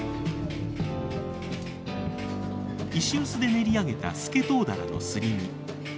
石臼で練り上げたスケトウダラのすり身。